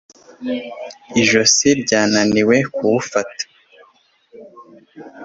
ijosi ryananiwe kuwufata